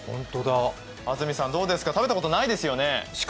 安住さん、どうですか、食べたことないですよね？